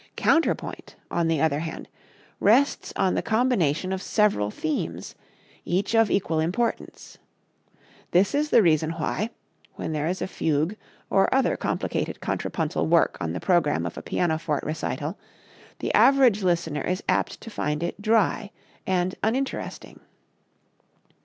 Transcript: Counterpoint, on the other hand, rests on the combination of several themes, each of equal importance. This is the reason why, when there is a fugue or other complicated contrapuntal work on the program of a pianoforte recital, the average listener is apt to find it dry and uninteresting.